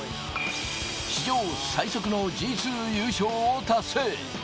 史上最速のＧＩＩ優勝を達成。